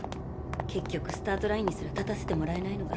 結局スタートラインにすら立たせてもらえない。